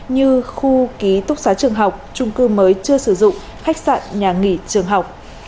như khu ký túc xá trường học trung cư mới chưa sử dụng khách sạn nhà nghỉ trường học